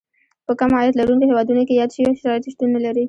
په کم عاید لرونکو هېوادونو کې یاد شوي شرایط شتون نه لري.